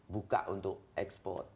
buka untuk ekspor